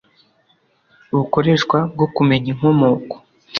bukoreshwa bwo kumenya inkomoko